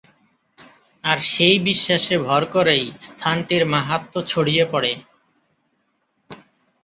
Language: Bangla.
আর সেই বিশ্বাসে ভর করেই স্থানটির মাহাত্ম্য ছড়িয়ে পড়ে।